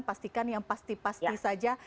pastikan yang pasti pasti saja